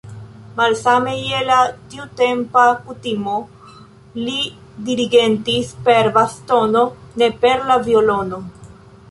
Malsame je la tiutempa kutimo, li dirigentis per bastono, ne per la violono.